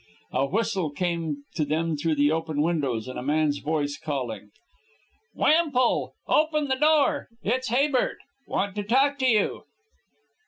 A whistle came to them through the open windows, and a man's voice calling: "Wemple! Open the door! It's Habert! Want to talk to you!"